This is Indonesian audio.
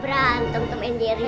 berantem temen jari